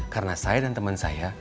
karena saya dan temen saya